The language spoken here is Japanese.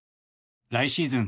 来シーズン